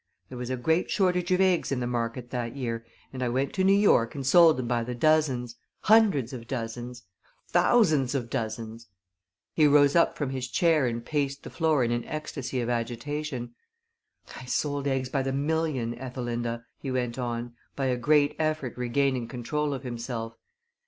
There was a great shortage of eggs in the market that year, and I went to New York and sold them by the dozens hundreds of dozens thousands of dozens " He rose up from his chair and paced the floor in an ecstasy of agitation. "I sold eggs by the million, Ethelinda," he went on, by a great effort regaining control of himself.